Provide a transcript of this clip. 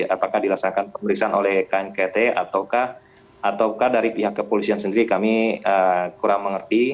apakah dilaksanakan pemeriksaan oleh knkt ataukah ataukah dari pihak kepolisian sendiri kami kurang mengerti